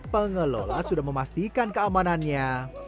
pengelola sudah memastikan keamanan nya